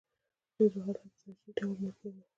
دوی به هلته په تدریجي ډول مړه کېدل.